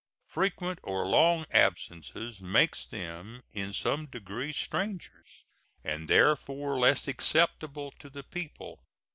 Frequent or long absence makes them in some degree strangers, and therefore less acceptable to the people.